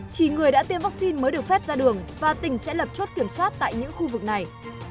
chỉ người đã tiêm vaccine mới được phép ra đường và tỉnh sẽ lập chốt kiểm soát tại những khu vực này